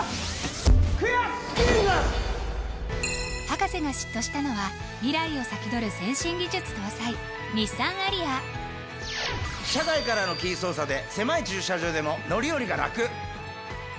博士が嫉妬したのは未来を先取る先進技術搭載日産アリア車外からのキー操作で狭い駐車場でも乗り降りがラク！